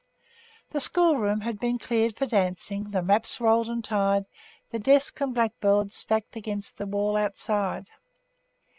The schoolroom had been cleared for dancing, the maps rolled and tied, the desks and blackboards stacked against the wall outside.